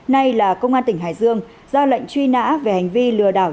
nay là công an tỉnh hải dương ra lệnh truy nã về hành vi lừa đảo